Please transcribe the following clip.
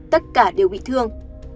tất cả đều bị thương